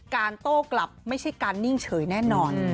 โต้กลับไม่ใช่การนิ่งเฉยแน่นอน